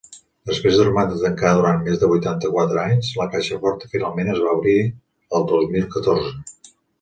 Després de romandre tancada durant més de vuitanta-quatre anys, la caixa forta finalment es va obrir el dos mil catorze.